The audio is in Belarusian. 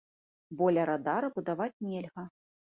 Бо ля радара будаваць нельга.